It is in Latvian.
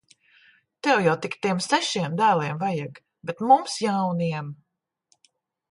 Tev jau tik tiem sešiem dēliem vajag! Bet mums jauniem.